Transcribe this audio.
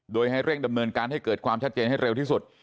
โดยให้เร่งดำเนินการให้เกิดความชัดเจนให้เร็วที่สุด